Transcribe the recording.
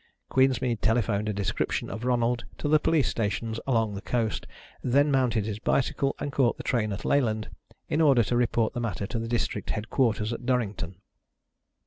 Queensmead telephoned a description of Ronald to the police stations along the coast, then mounted his bicycle and caught the train at Leyland in order to report the matter to the district headquarters at Durrington.